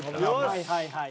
はいはいはい。